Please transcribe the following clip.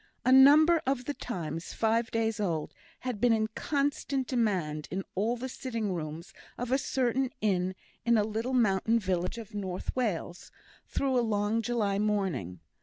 A number of the Times, five days old, had been in constant demand in all the sitting rooms of a certain inn in a little mountain village of North Wales, through a long July morning.